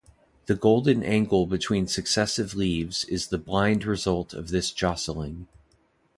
The golden angle between successive leaves is the blind result of this jostling.